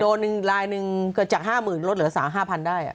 โดน๑ลายนึงเกิดจาก๕๐๐๐๐ลดเหลือ๓๐๐๐๕๐๐๐ได้